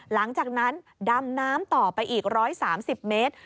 หลังจากนั้นดำน้ำต่อไปอีก๑๓๐เมตร